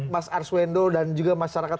mas arswendo dan juga masyarakat